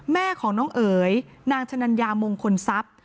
แม่ของน้องเอ๋ยนางชะนัญญามงคลทรัพย์